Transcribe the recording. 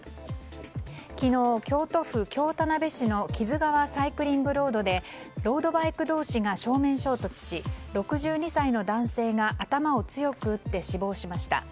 昨日、京都府京田辺市の木津川サイクリングロードでロードバイク同士が正面衝突し６２歳の男性が頭を強く打って死亡しました。